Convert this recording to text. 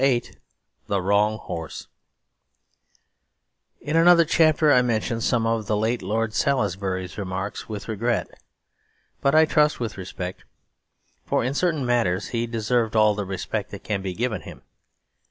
VIII The Wrong Horse In another chapter I mentioned some of the late Lord Salisbury's remarks with regret, but I trust with respect; for in certain matters he deserved all the respect that can be given to him.